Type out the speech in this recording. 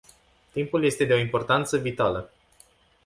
Timpul este de o importanță vitală.